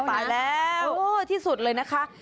โอ้โหตายแล้วชอบที่สุดเลยนะคะ